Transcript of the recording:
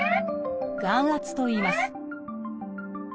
「眼圧」といいます。